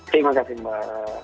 terima kasih mbak